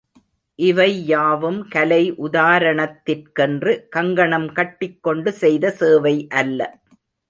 ... இவையாவும் கலை உதாரணத்திற்கென்று கங்கணம் கட்டிக்கொண்டு செய்த சேவை அல்ல.